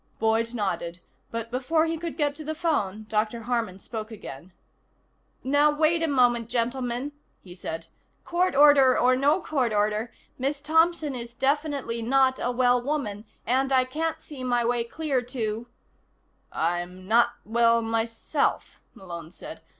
Boyd nodded, but before he could get to the phone Dr. Harman spoke again. "Now, wait a moment, gentlemen," he said. "Court order or no court order, Miss Thompson is definitely not a well woman, and I can't see my way clear to " "I'm not well myself," Malone said.